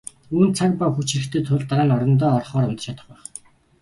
Үүнд цаг ба хүч хэрэгтэй тул дараа нь орондоо орохоор унтаж чадах байх.